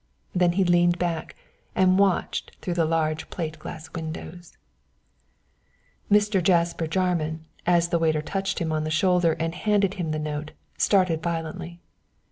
Then he leaned back and watched through the large plate glass windows. Mr. Jasper Jarman, as the waiter touched him on the shoulder and handed him the note, started violently.